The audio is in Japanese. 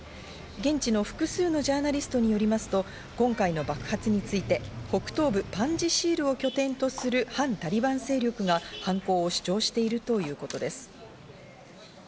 現地の複数のジャーナリストによりますと、今回の爆発について北東部パンジシールを拠点とする反タリバン勢力が犯行を主張しているということです。